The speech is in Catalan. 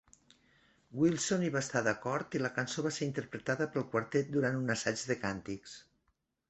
Wilson hi va estar d'acord i la cançó va ser interpretada pel quartet durant un assaig de càntics.